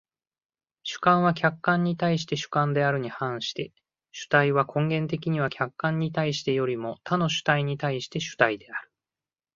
主観は客観に対して主観であるに反して、主体は根源的には客観に対してよりも他の主体に対して主体である。